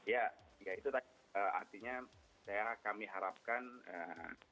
ya ya itu tadi eee artinya saya kami harapkan eee